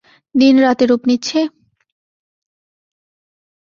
দিন রাতে রূপ নিচ্ছে?